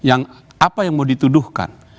apa yang mau dituduhkan